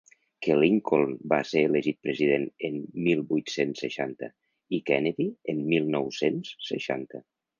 Que Lincoln va ser elegit president en mil vuit-cents seixanta i Kennedy en mil nou-cents seixanta.